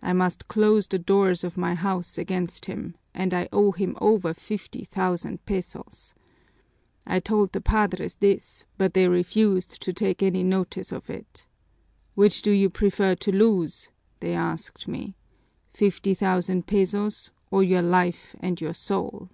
I must close the doors of my house against him, and I owe him over fifty thousand pesos! I told the padres this, but they refused to take any notice of it. 'Which do you prefer to lose,' they asked me, 'fifty thousand pesos or your life and your soul?'